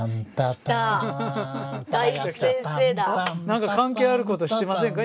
何か関係あることしてませんか？